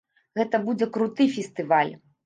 Гэта будзе круты фестываль!